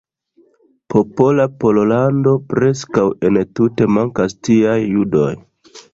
Popola Pollando preskaŭ entute mankas tieaj judoj.